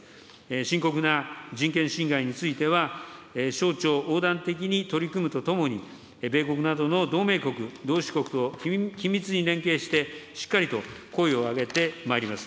深刻な人権侵害については、省庁横断的に取り組むとともに、米国などの同盟国、同種国と緊密に連携して、しっかりと声を上げてまいります。